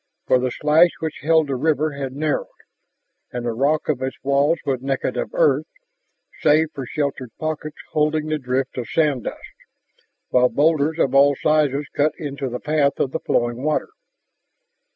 For the slash which held the river had narrowed. And the rock of its walls was naked of earth, save for sheltered pockets holding the drift of sand dust, while boulders of all sizes cut into the path of the flowing water.